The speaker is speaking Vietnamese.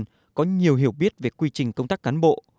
họ có nhiều biết về quy trình công tác cán bộ